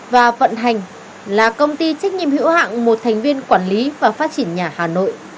và vận hành là công ty trách nhiệm hữu hạng một thành viên quản lý và phát triển nhà hà nội